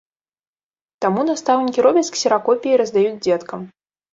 Таму настаўнікі робяць ксеракопіі і раздаюць дзеткам.